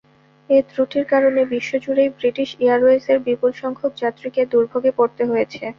এ ত্রুটির কারণে বিশ্বজুড়েই ব্রিটিশ এয়ারওয়েজের বিপুলসংখ্যক যাত্রীকে দুর্ভোগে পড়তে হয়েছে।